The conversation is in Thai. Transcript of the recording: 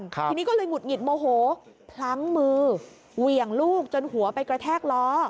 ทีนี้ก็เลยหงุดหงิดโมโหพลั้งมือเหวี่ยงลูกจนหัวไปกระแทกล้อ